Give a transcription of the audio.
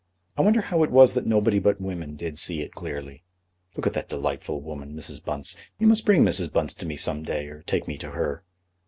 I wonder how it was that nobody but women did see it clearly? Look at that delightful woman, Mrs. Bunce. You must bring Mrs. Bunce to me some day, or take me to her."